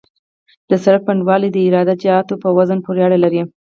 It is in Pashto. د سرک پنډوالی د عراده جاتو په وزن پورې اړه لري